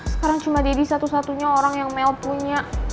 sekarang cuma deddy satu satunya orang yang mel punya